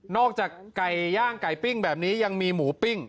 จากไก่ย่างไก่ปิ้งแบบนี้ยังมีหมูปิ้ง